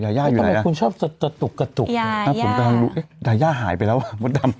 ทำไมคุณชอบจะตุกกระตุกยาย่ายาย่าหายไปแล้วมุดดำ